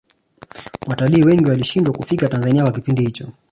watalii wengi walishindwa kufika tanzania kwa kipindi hicho